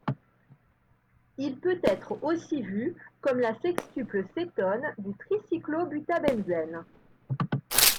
Il peut être aussi vu comme la sextuple cétone du tricyclobutabenzène.